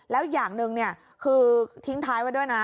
แล้วอย่างหนึ่งคือทิ้งท้ายไว้ด้วยนะ